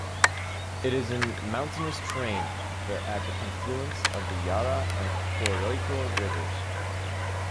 It is in mountainous terrain at the confluence of the Yara and Coroico Rivers.